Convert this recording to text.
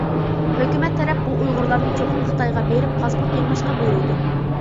ھۆكۈمەت تەرەپ بۇ ئۇيغۇرلارنى چوقۇم خىتايغا بېرىپ پاسپورت يېڭىلاشقا بۇيرۇيدۇ.